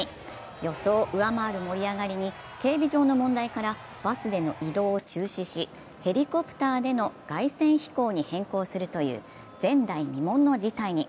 予想を上回る盛り上がりに警備上の問題からバスでの移動を中止し、ヘリコプターでの凱旋飛行に変更するという前代未聞の事態に。